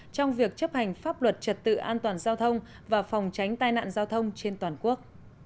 trong việc chấp hành pháp luật trật tự an toàn giao thông và phòng tránh tai nạn giao thông trên toàn quốc